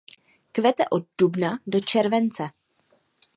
Kvete od dubna do července.